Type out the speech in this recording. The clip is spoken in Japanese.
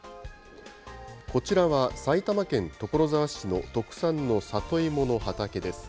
こちらは埼玉県所沢市の特産の里芋の畑です。